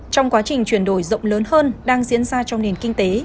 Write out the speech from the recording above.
trong quá trình chuyển đổi rộng lớn hơn đang diễn ra trong nền kinh tế